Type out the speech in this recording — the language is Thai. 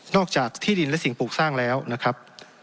อกจากที่ดินและสิ่งปลูกสร้างแล้วนะครับ